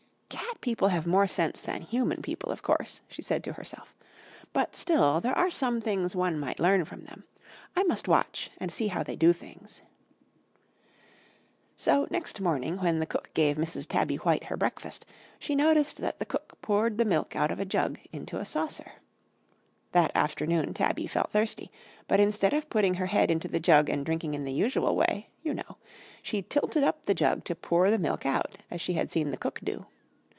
"'Cat people have more sense than human people, of course,' she said to herself; 'but still there are some things one might learn from them. I must watch and see how they do things.' "So next morning when the cook gave Mrs. Tabby White her breakfast, she noticed that cook poured the milk out of a jug into a saucer. That afternoon Tabby felt thirsty, but instead of putting her head into the jug and drinking in the usual way, you know she tilted up the jug to pour the milk out as she had seen the cook do.